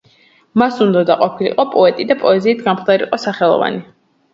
მას უნდოდა ყოფილიყო პოეტი და პოეზიით გამხდარიყო სახელოვანი.